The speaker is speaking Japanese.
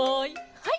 はい。